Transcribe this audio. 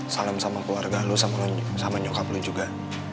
salam sama keluarga lu sama nyokap lo juga